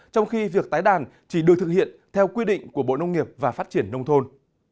trong khi việc tái đàn chỉ được thực hiện theo quy định của bộ nông nghiệp và phát triển nông thôn